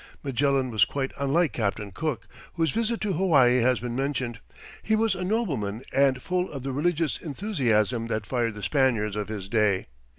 Magellan was quite unlike Captain Cook, whose visit to Hawaii has been mentioned. He was a nobleman and full of the religious enthusiasm that fired the Spaniards of his day.